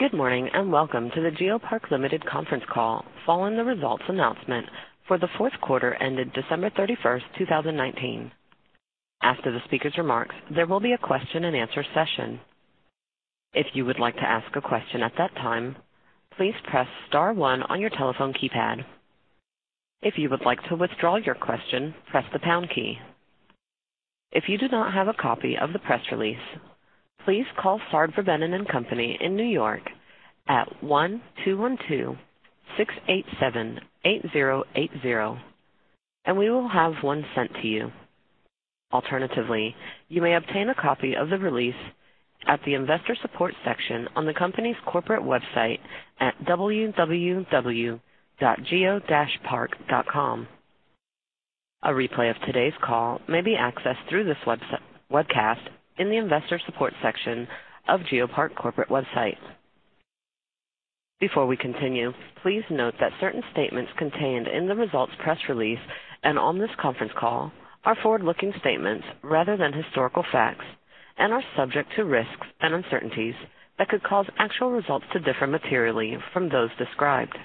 Good morning, and welcome to the GeoPark Limited Conference Call Following The Results Announcement for The Fourth Quarter Ended December 31st, 2019. After the speaker's remarks, there will be a question and answer session. If you would like to ask a question at that time, please press star one on your telephone keypad. If you would like to withdraw your question, press the pound key. If you do not have a copy of the press release, please call Sard Verbinnen & Co. in New York at one two one two six eight seven eight zero eight zero, and we will have one sent to you. Alternatively, you may obtain a copy of the release at the investor support section on the company's corporate website at www.geopark.com. A replay of today's call may be accessed through this webcast in the investor support section of GeoPark corporate website. Before we continue, please note that certain statements contained in the results press release and on this conference call are forward-looking statements rather than historical facts, and are subject to risks and uncertainties that could cause actual results to differ materially from those described.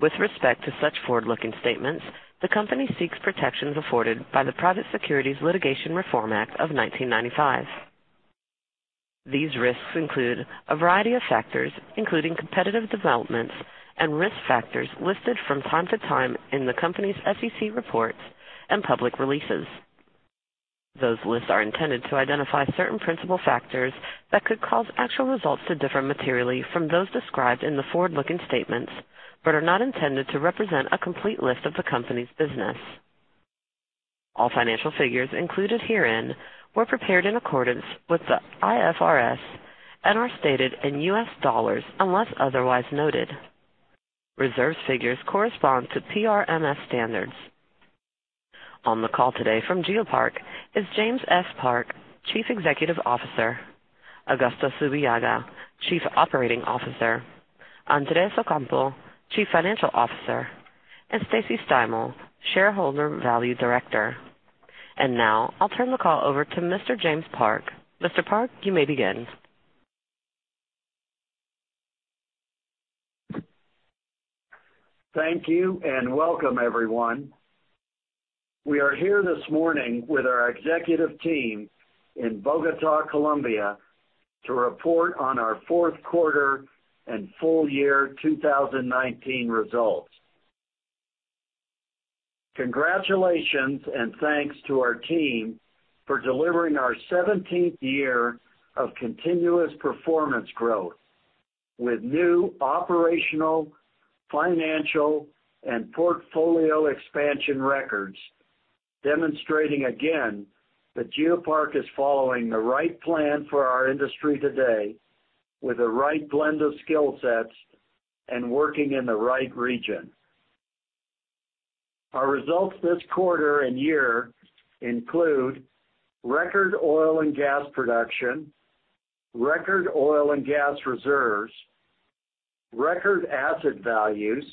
With respect to such forward-looking statements, the company seeks protections afforded by the Private Securities Litigation Reform Act of 1995. These risks include a variety of factors, including competitive developments and risk factors listed from time to time in the company's SEC reports and public releases. Those lists are intended to identify certain principal factors that could cause actual results to differ materially from those described in the forward-looking statements, but are not intended to represent a complete list of the company's business. All financial figures included herein were prepared in accordance with the IFRS and are stated in U.S. dollars unless otherwise noted. Reserves figures correspond to PRMS standards. On the call today from GeoPark is James F. Park, Chief Executive Officer, Augusto Zubillaga, Chief Operating Officer, Andres Ocampo, Chief Financial Officer, and Stacy Steimel, Shareholder Value Director. Now I'll turn the call over to Mr. James Park. Mr. Park, you may begin. Thank you, and welcome, everyone. We are here this morning with our executive team in Bogota, Colombia, to report on our fourth quarter and full-year 2019 results. Congratulations, and thanks to our team for delivering our 17th year of continuous performance growth with new operational, financial, and portfolio expansion records, demonstrating again that GeoPark is following the right plan for our industry today with the right blend of skill sets and working in the right region. Our results this quarter and year include record oil and gas production, record oil and gas reserves, record asset values,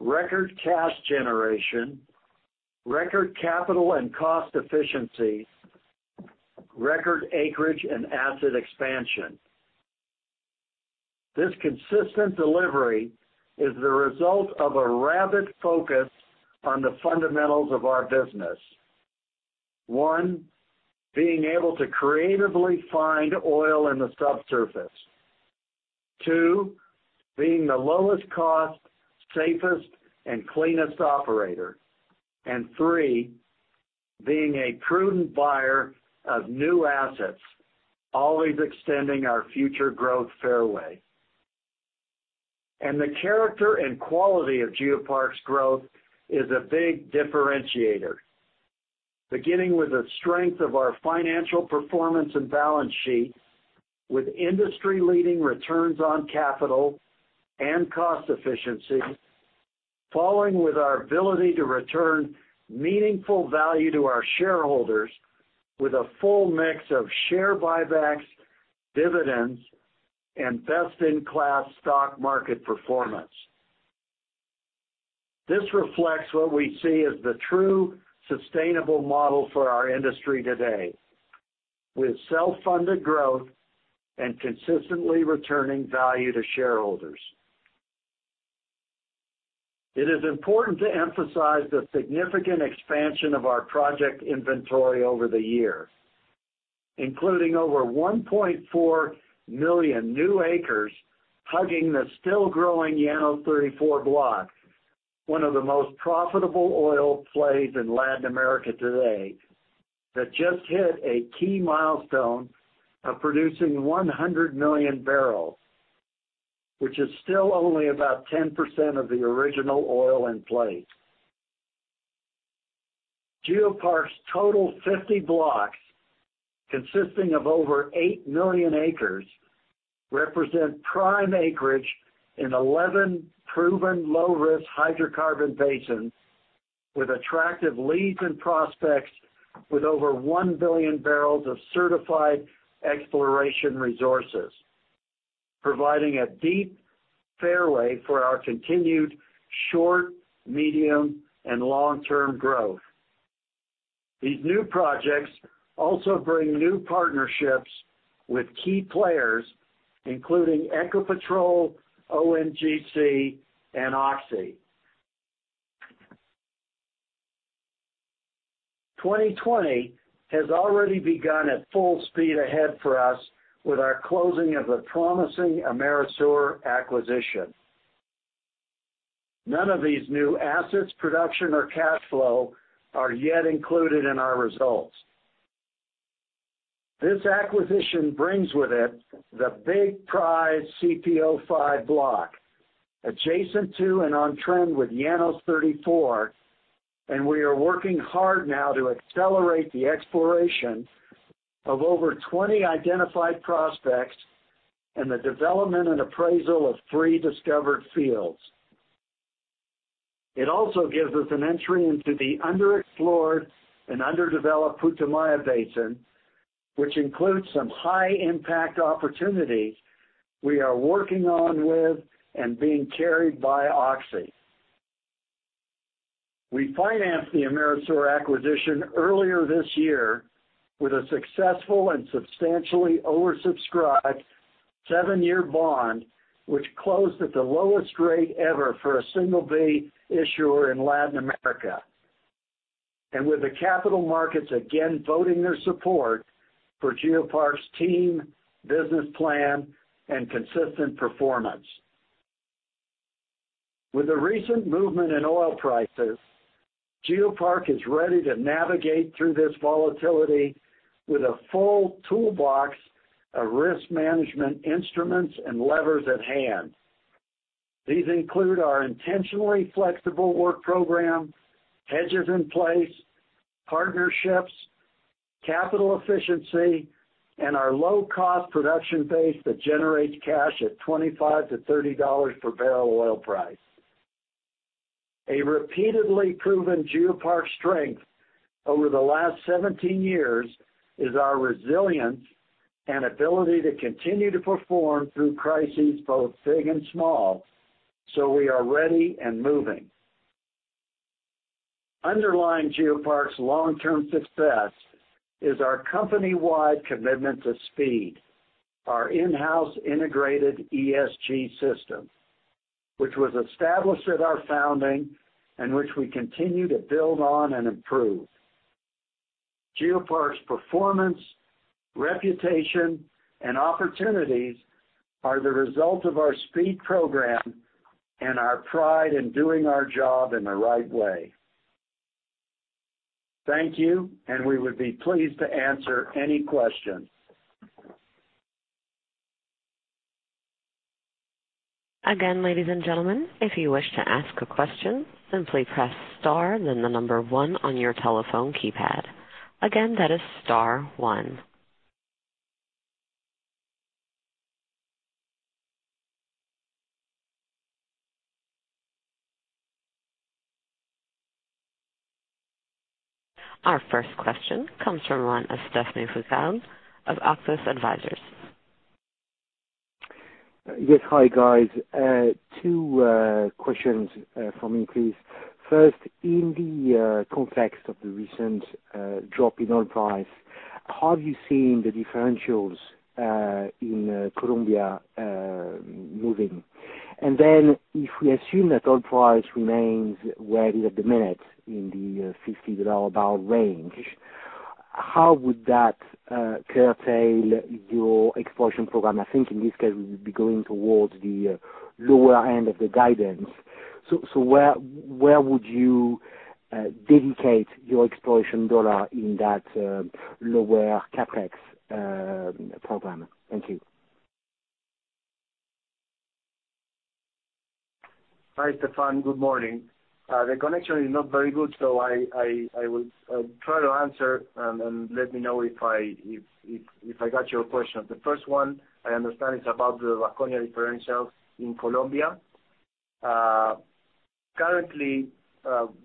record cash generation, record capital and cost efficiency, record acreage and asset expansion. This consistent delivery is the result of a rabid focus on the fundamentals of our business. One, being able to creatively find oil in the subsurface. Two, being the lowest cost, safest and cleanest operator. Three, being a prudent buyer of new assets, always extending our future growth fairway. The character and quality of GeoPark's growth is a big differentiator. Beginning with the strength of our financial performance and balance sheet, with industry-leading returns on capital and cost efficiency, following with our ability to return meaningful value to our shareholders with a full mix of share buybacks, dividends, and best-in-class stock market performance. This reflects what we see as the true sustainable model for our industry today, with self-funded growth and consistently returning value to shareholders. It is important to emphasize the significant expansion of our project inventory over the year, including over 1.4 million new acres hugging the still growing Llanos 34 block, one of the most profitable oil plays in Latin America today that just hit a key milestone of producing 100 million barrels, which is still only about 10% of the original oil in play. GeoPark's total 50 blocks, consisting of over 8 million acres, represent prime acreage in 11 proven low-risk hydrocarbon basins with attractive leads and prospects with over 1 billion barrels of certified exploration resources, providing a deep fairway for our continued short, medium, and long-term growth. These new projects also bring new partnerships with key players, including Ecopetrol, ONGC, and Oxy. 2020 has already begun at full speed ahead for us with our closing of a promising Amerisur acquisition. None of these new assets, production or cash flow are yet included in our results. This acquisition brings with it the big prize CPO-5 block, adjacent to and on trend with Llanos 34, and we are working hard now to accelerate the exploration of over 20 identified prospects and the development and appraisal of three discovered fields. It also gives us an entry into the underexplored and underdeveloped Putumayo Basin, which includes some high-impact opportunities we are working on with and being carried by Oxy. We financed the Amerisur acquisition earlier this year with a successful and substantially oversubscribed seven-year bond, which closed at the lowest rate ever for a single B issuer in Latin America. With the capital markets again voting their support for GeoPark's team, business plan, and consistent performance. With the recent movement in oil prices, GeoPark is ready to navigate through this volatility with a full toolbox of risk management instruments and levers at hand. These include our intentionally flexible work program, hedges in place, partnerships, capital efficiency, and our low-cost production base that generates cash at $25-$30 per bbl oil price. A repeatedly proven GeoPark strength over the last 17 years is our resilience and ability to continue to perform through crises both big and small, so we are ready and moving. Underlying GeoPark's long-term success is our company-wide commitment to SPEED, our in-house integrated ESG system, which was established at our founding and which we continue to build on and improve. GeoPark's performance, reputation, and opportunities are the result of our SPEED program and our pride in doing our job in the right way. Thank you, and we would be pleased to answer any questions. Again, ladies and gentlemen, if you wish to ask a question, simply press star then the number one on your telephone keypad. Again, that is star one. Our first question comes from the line of Stephane Foucaud of Auctus Advisors. Yes. Hi, guys. Two questions from me, please. First, in the context of the recent drop in oil price, have you seen the differentials in Colombia moving? If we assume that oil price remains where it is at the minute in the $60 bbl range, how would that curtail your exploration program? I think in this case, we would be going towards the lower end of the guidance. Where would you dedicate your exploration dollar in that lower CapEx program? Thank you. Hi, Stephane. Good morning. The connection is not very good. I will try to answer, and let me know if I got your question. The first one I understand is about the Vasconia differential in Colombia. Currently,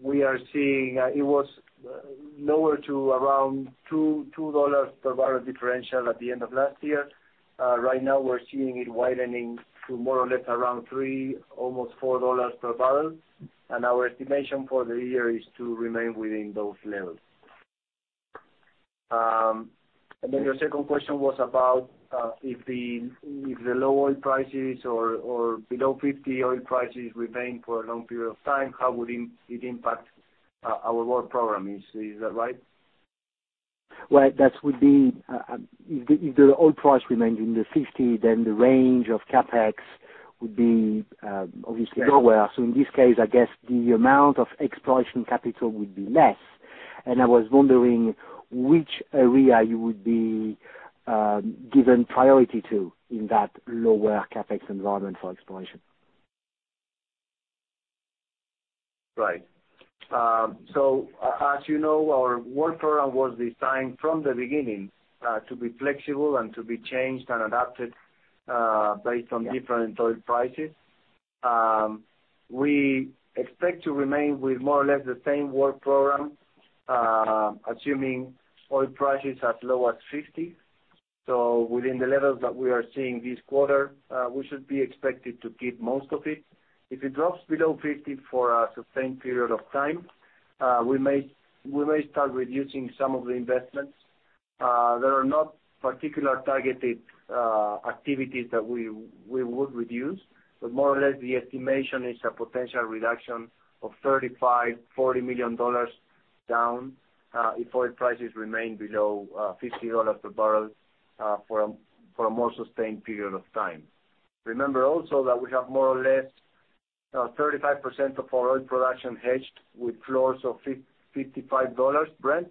we are seeing it was lower to around $2 per bbl differential at the end of last year. Right now, we're seeing it widening to more or less around $3, almost $4 per bbl. Our estimation for the year is to remain within those levels. Your second question was about if the low oil prices or below $50 oil prices remain for a long period of time, how would it impact our work program? Is that right? Well, if the oil price remains in the $60, the range of CapEx would be obviously lower. In this case, I guess the amount of exploration capital would be less. I was wondering which area you would be giving priority to in that lower CapEx environment for exploration. Right. As you know, our work program was designed from the beginning to be flexible and to be changed and adapted based on different oil prices. We expect to remain with more or less the same work program, assuming oil prices as low as $50. Within the levels that we are seeing this quarter, we should be expected to keep most of it. If it drops below 50 for a sustained period of time, we may start reducing some of the investments. There are no particular targeted activities that we would reduce, but more or less, the estimation is a potential reduction of $35, $40 million down, if oil prices remain below $50 per bbl for a more sustained period of time. Remember also that we have more or less 35% of our oil production hedged with floors of $55 Brent.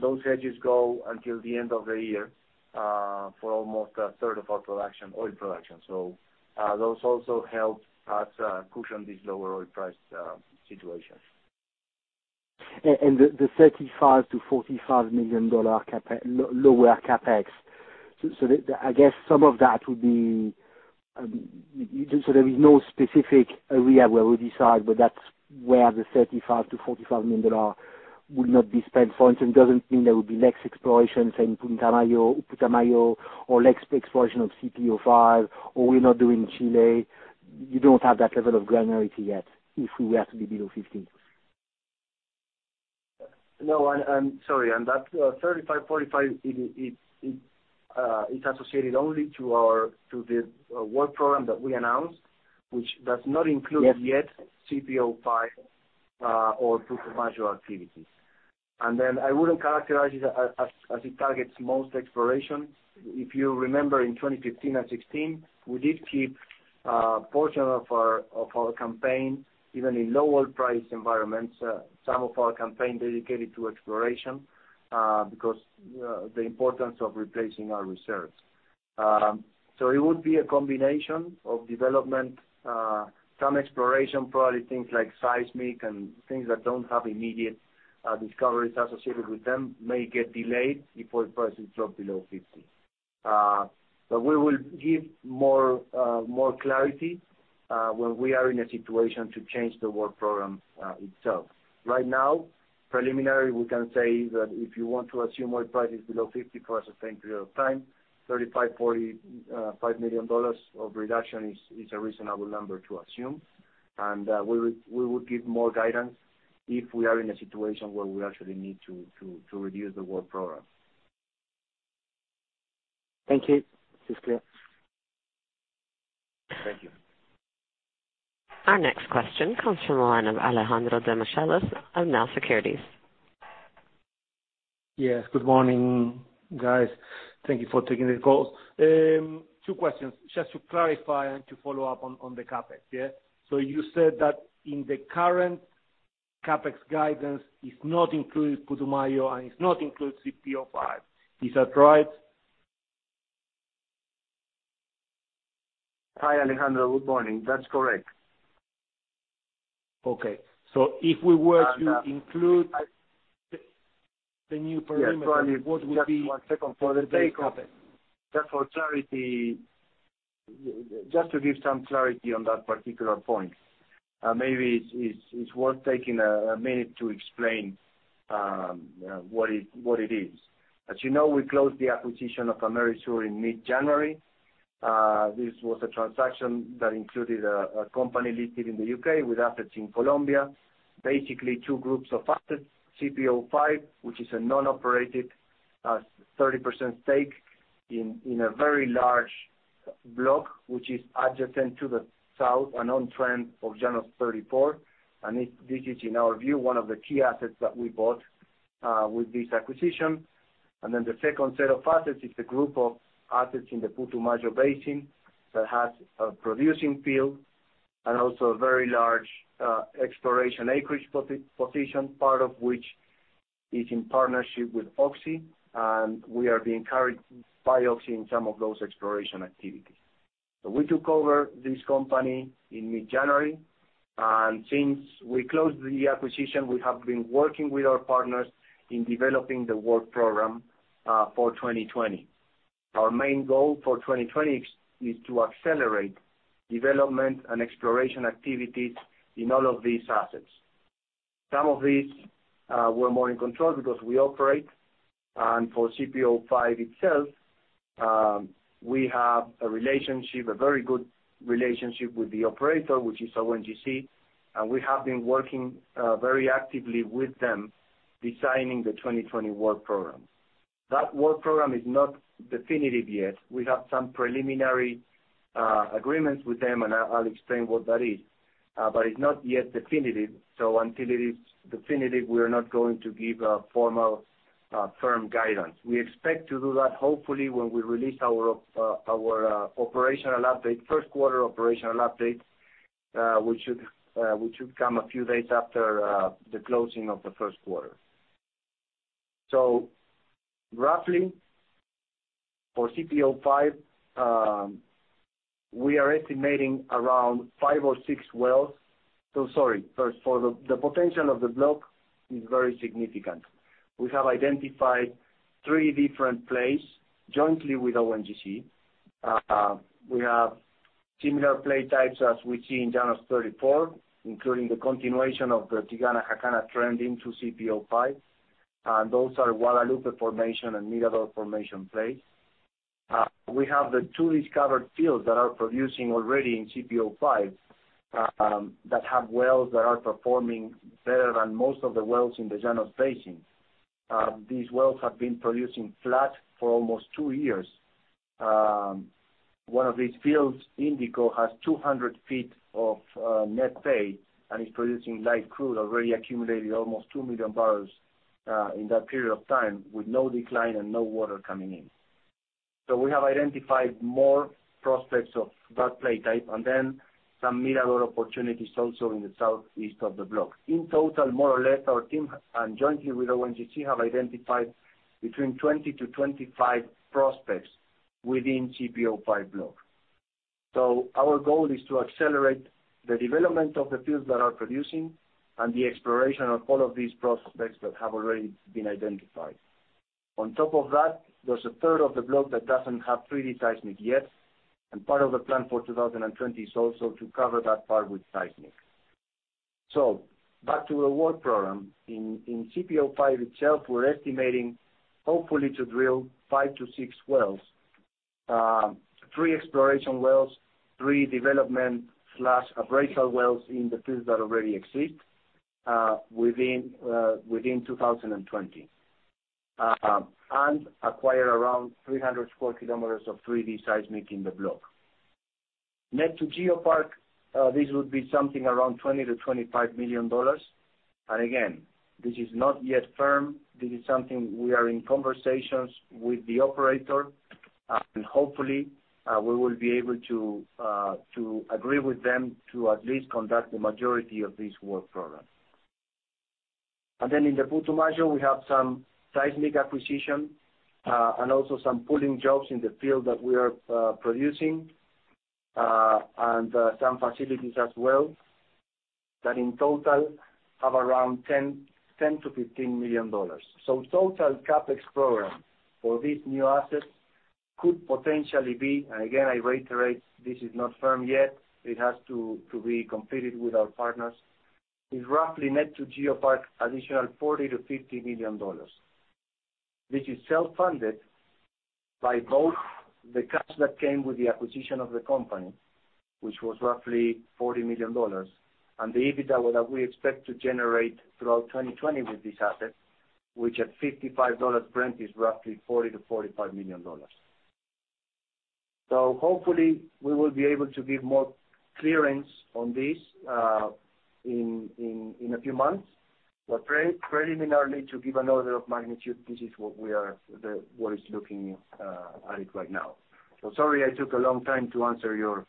Those hedges go until the end of the year for almost a third of our oil production. Those also help us cushion this lower oil price situation. The $35 million-$45 million lower CapEx. There is no specific area where we decide where the $35 million-$45 million would not be spent. For instance, it doesn't mean there would be less exploration, say, in Putumayo or less exploration of CPO-5, or we're not doing Chile. You don't have that level of granularity yet, if we were to be below $50 million. No, sorry. That $35, $45 is associated only to the work program that we announced, which does not include yet CPO-5 or Putumayo activities. I wouldn't characterize it as it targets most exploration. If you remember, in 2015 and 2016, we did keep a portion of our campaign, even in low oil price environments, some of our campaign dedicated to exploration because the importance of replacing our reserves. It would be a combination of development. Some exploration, probably things like seismic and things that don't have immediate discoveries associated with them may get delayed if oil prices drop below 50. We will give more clarity when we are in a situation to change the work program itself. Right now, preliminary, we can say that if you want to assume oil price is below 50 for a sustained period of time, $35, $45 million of reduction is a reasonable number to assume. We would give more guidance if we are in a situation where we actually need to reduce the work program. Thank you. This is clear. Thank you. Our next question comes from the line of Alejandro Demichelis of Nau Securities. Yes, good morning, guys. Thank you for taking the call. Two questions, just to clarify and to follow-up on the CapEx. You said that in the current CapEx guidance, it's not included Putumayo, and it's not included CPO-5. Is that right? Hi, Alejandro. Good morning. That's correct. Okay. If we were to include the new perimeter. Yes. Sorry. What would be-? Just one second. For the CapEx. Just for clarity. Just to give some clarity on that particular point. Maybe it's worth taking a minute to explain what it is. As you know, we closed the acquisition of Amerisur in mid-January. This was a transaction that included a company listed in the U.K. with assets in Colombia. Basically, two groups of assets, CPO-5, which is a non-operated 30% stake in a very large block, which is adjacent to the south and on trend of Llanos 34. This is, in our view, one of the key assets that we bought with this acquisition. The second set of assets is the group of assets in the Putumayo Basin that has a producing field and also a very large exploration acreage position, part of which is in partnership with Oxy. We are being carried by Oxy in some of those exploration activities. We took over this company in mid-January, and since we closed the acquisition, we have been working with our partners in developing the work program for 2020. Our main goal for 2020 is to accelerate development and exploration activities in all of these assets. Some of these were more in control because we operate. For CPO-5 itself, we have a very good relationship with the operator, which is ONGC, and we have been working very actively with them designing the 2020 work program. That work program is not definitive yet. We have some preliminary agreements with them, and I'll explain what that is. It's not yet definitive. Until it is definitive, we are not going to give a formal firm guidance. We expect to do that hopefully when we release our first quarter operational update which should come a few days after the closing of the first quarter. Roughly for CPO-5, we are estimating around five or six wells. Sorry. First, the potential of the block is very significant. We have identified three different plays jointly with ONGC. We have similar play types as we see in Llanos 34, including the continuation of the Tigana-Jacana trend into CPO-5. Those are Guadalupe formation and Mirador formation plays. We have the two discovered fields that are producing already in CPO-5, that have wells that are performing better than most of the wells in the Llanos Basin. These wells have been producing flat for almost two years. One of these fields, Indigo, has 200 ft of net pay and is producing light crude, already accumulated almost 2 million barrels in that period of time, with no decline and no water coming in. We have identified more prospects of that play type, and then some Mirador opportunities also in the southeast of the block. In total, more or less, our team, jointly with ONGC, have identified between 20-25 prospects within CPO-5 block. Our goal is to accelerate the development of the fields that are producing and the exploration of all of these prospects that have already been identified. On top of that, there's a third of the block that doesn't have 3D seismic yet, and part of the plan for 2020 is also to cover that part with seismic. Back to the work program. In CPO-5 itself, we're estimating hopefully to drill five to six wells. Three exploration wells, three development/appraisal wells in the fields that already exist within 2020, and acquire around 300 square km of 3D seismic in the block. Net to GeoPark, this would be something around $20 million-$25 million. Again, this is not yet firm. This is something we are in conversations with the operator, and hopefully, we will be able to agree with them to at least conduct the majority of this work program. In the Putumayo, we have some seismic acquisition, and also some pulling jobs in the field that we are producing, and some facilities as well, that in total have around $10 million-$15 million. Total CapEx program for these new assets could potentially be, and again, I reiterate, this is not firm yet, it has to be completed with our partners, is roughly net to GeoPark additional $40 million-$50 million. This is self-funded by both the cash that came with the acquisition of the company, which was roughly $40 million, and the EBITDA that we expect to generate throughout 2020 with this asset, which at $55 Brent, is roughly $40 million-$45 million. Hopefully we will be able to give more clearance on this in a few months. Preliminarily, to give an order of magnitude, this is what is looking at it right now. Sorry I took a long time to answer your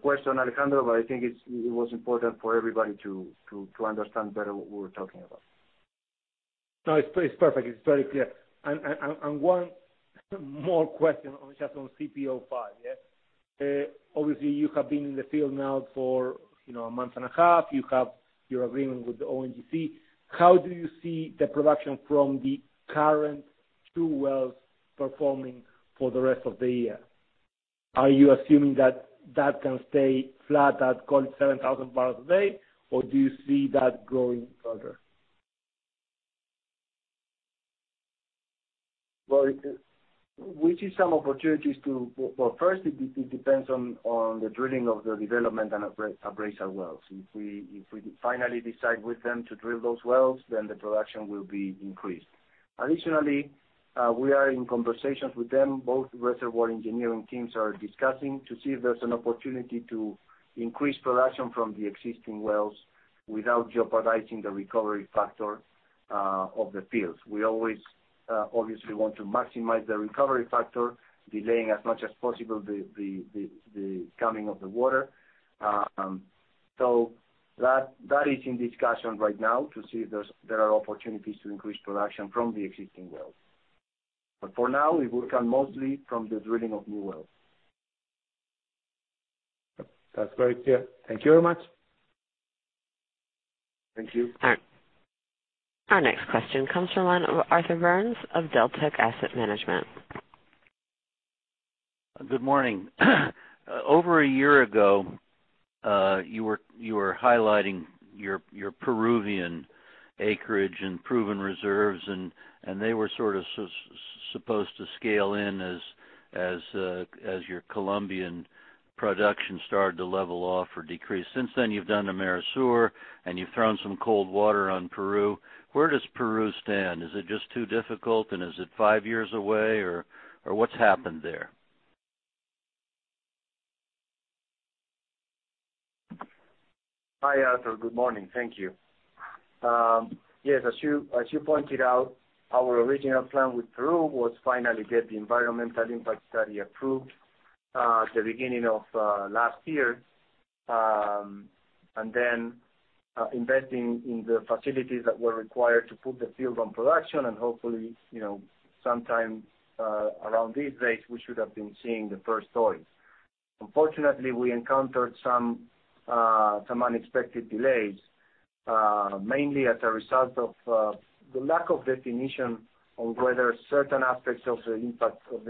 question, Alejandro, but I think it was important for everybody to understand better what we were talking about. No, it's perfect. It's very clear. One more question just on CPO-5. Obviously, you have been in the field now for a month and a half. You have your agreement with the ONGC. How do you see the production from the current two wells performing for the rest of the year? Are you assuming that that can stay flat at call it 7,000 bbl a day, or do you see that growing further? Well, first, it depends on the drilling of the development and appraisal wells. If we finally decide with them to drill those wells, then the production will be increased. Additionally, we are in conversations with them. Both reservoir engineering teams are discussing to see if there's an opportunity to increase production from the existing wells without jeopardizing the recovery factor of the fields. We always obviously want to maximize the recovery factor, delaying as much as possible the coming of the water. That is in discussion right now to see if there are opportunities to increase production from the existing wells. For now, it will come mostly from the drilling of new wells. That's very clear. Thank you very much. Thank you. Our next question comes from the line of Arthur Byrnes of Deltec Asset Management. Good morning. Over a year ago, you were highlighting your Peruvian acreage and proven reserves, and they were sort of supposed to scale in as your Colombian production started to level off or decrease. Since then, you've done Amerisur, and you've thrown some cold water on Peru. Where does Peru stand? Is it just too difficult, and is it five years away, or what's happened there? Hi, Arthur. Good morning. Thank you. Yes, as you pointed out, our original plan with Peru was finally get the environmental impact study approved at the beginning of last year, and then investing in the facilities that were required to put the field on production. Hopefully, sometime around these days, we should have been seeing the first oil. Unfortunately, we encountered some unexpected delays. Mainly as a result of the lack of definition on whether certain aspects of the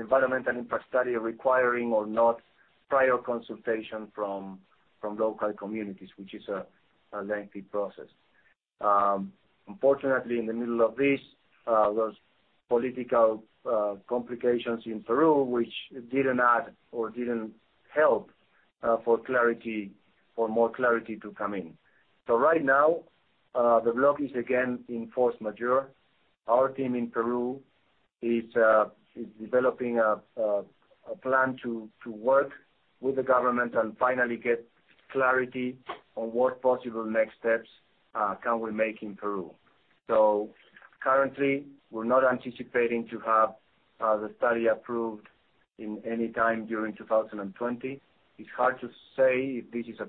environmental impact study are requiring or not prior consultation from local communities, which is a lengthy process. Unfortunately, in the middle of this, there was political complications in Peru, which didn't add or didn't help for more clarity to come in. Right now, the block is again in force majeure. Our team in Peru is developing a plan to work with the government and finally get clarity on what possible next steps can we make in Peru. Currently, we're not anticipating to have the study approved in any time during 2020. It's hard to say if this is a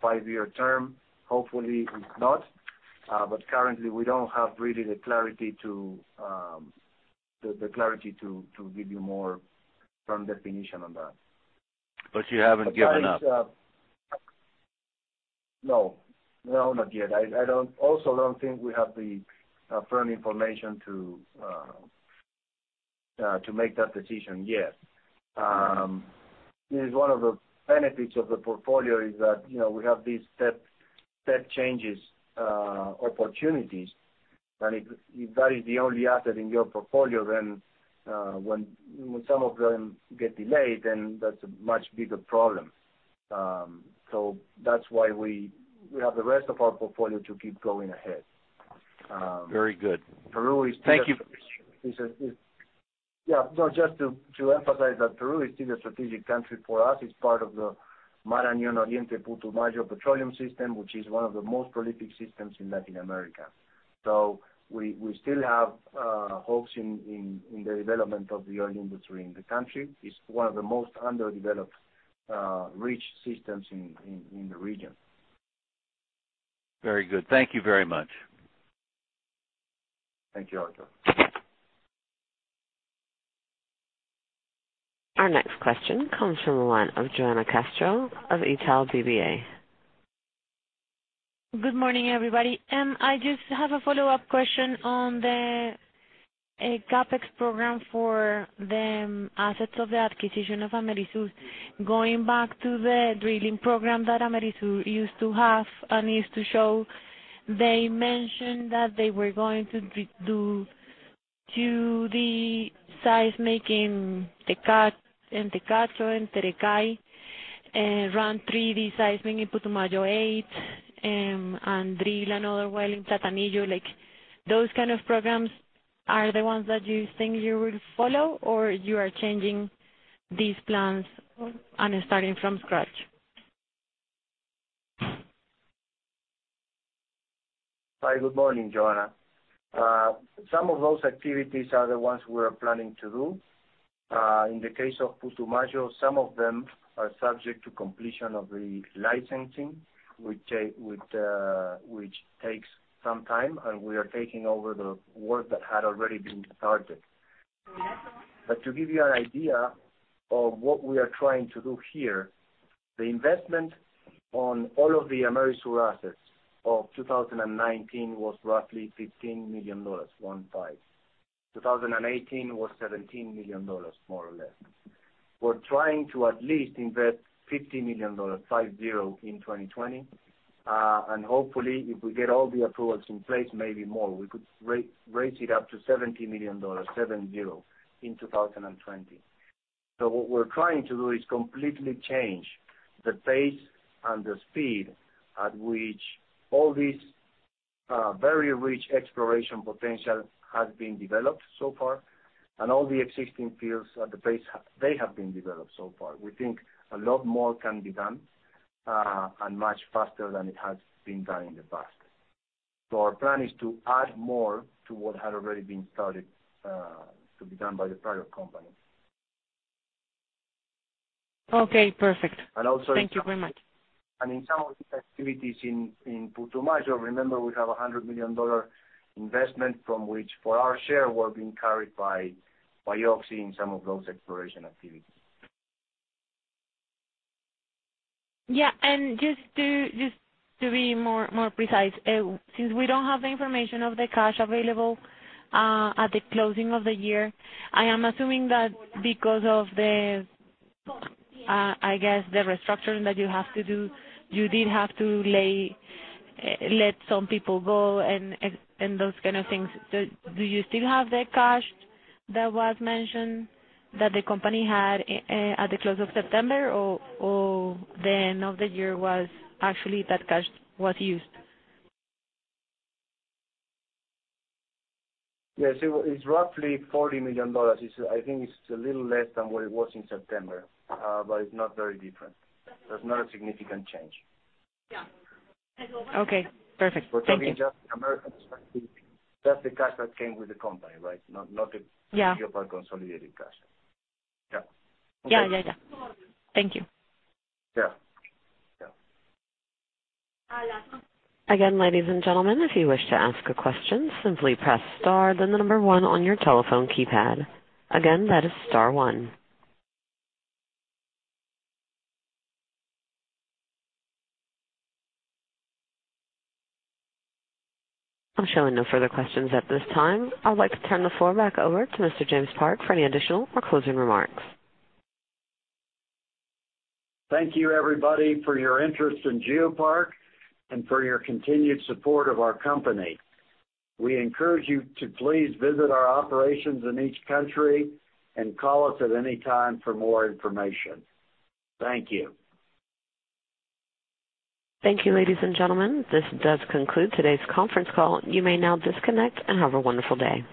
five-year term. Hopefully it's not. Currently we don't have really the clarity to give you more firm definition on that. You haven't given up. No. Not yet. I also don't think we have the firm information to make that decision yet. It is one of the benefits of the portfolio is that we have these step changes opportunities. If that is the only asset in your portfolio, then when some of them get delayed, then that's a much bigger problem. That's why we have the rest of our portfolio to keep going ahead. Very good. Peru is. Thank you. Yeah. No, just to emphasize that Peru is still a strategic country for us. It's part of the Marañón-Oriente-Putumayo petroleum system, which is one of the most prolific systems in Latin America. We still have hopes in the development of the oil industry in the country. It's one of the most underdeveloped rich systems in the region. Very good. Thank you very much. Thank you, Arthur. Our next question comes from the line of Johanna Castro of Itaú BBA. Good morning, everybody. I just have a follow-up question on the CapEx program for the assets of the acquisition of Amerisur. Going back to the drilling program that Amerisur used to have and used to show, they mentioned that they were going to do 2D seismic in Tacacho and Terecay, and run 3D seismic in Putumayo 8, and drill another well in Platanillo. Those kind of programs are the ones that you think you will follow, or you are changing these plans and starting from scratch? Hi, good morning, Johanna. Some of those activities are the ones we are planning to do. In the case of Putumayo, some of them are subject to completion of the licensing, which takes some time, and we are taking over the work that had already been started. To give you an idea of what we are trying to do here, the investment on all of the Amerisur assets of 2019 was roughly $15 million, 15. 2018 was $17 million, more or less. We're trying to at least invest $50 million, 50, in 2020. Hopefully, if we get all the approvals in place, maybe more. We could raise it up to $70 million, 70, in 2020. What we're trying to do is completely change the pace and the speed at which all this very rich exploration potential has been developed so far, and all the existing fields at the pace they have been developed so far. We think a lot more can be done, and much faster than it has been done in the past. Our plan is to add more to what had already been started to be done by the prior company. Okay, perfect. Also. Thank you very much. In some of these activities in Putumayo, remember, we have a $100 million investment from which for our share, we're being carried by Oxy in some of those exploration activities. Yeah. just to be more precise, since we don't have the information of the cash available at the closing of the year, I am assuming that because of the, I guess, the restructuring that you have to do. You did have to let some people go and those kind of things. Do you still have the cash that was mentioned that the company had at the close of September? the end of the year was actually that cash was used? Yes, it's roughly $40 million. I think it's a little less than what it was in September. It's not very different. There's not a significant change. Okay, perfect. Thank you. We're talking just Amerisur specifically. That's the cash that came with the company, right? Not the. Yeah. Talking about consolidated cash. Yeah. Yeah. Thank you. Yeah. Again, ladies and gentlemen, if you wish to ask a question, simply press star then the number one on your telephone keypad. Again, that is star one. I'm showing no further questions at this time. I'd like to turn the floor back over to Mr. James Park for any additional or closing remarks. Thank you everybody for your interest in GeoPark and for your continued support of our company. We encourage you to please visit our operations in each country and call us at any time for more information. Thank you. Thank you, ladies and gentlemen. This does conclude today's conference call. You may now disconnect and have a wonderful day.